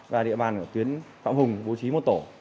và địa bàn của tuyến phạm hùng bố trí một tổ